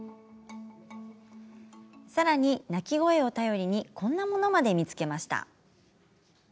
さらに、鳴き声を頼りにこんなものまで見つけました。